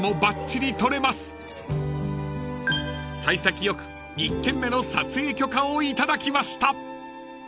［幸先よく１軒目の撮影許可を頂きました］